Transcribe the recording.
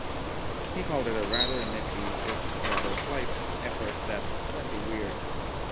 He called it a "rather nifty, if rather slight, effort that's plenty weird".